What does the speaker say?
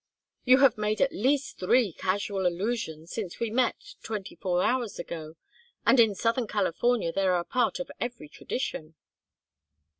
You have made at least three casual allusions since we met twenty four hours ago, and in southern California they are a part of every tradition."